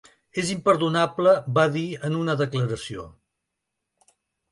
És imperdonable, va dir en una declaració.